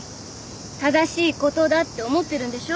正しいことだって思ってるんでしょ？